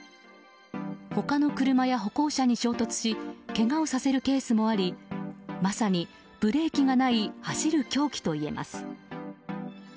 他の車や歩行者に衝突しけがをさせるケースもありまさにブレーキがない走る凶器といえます。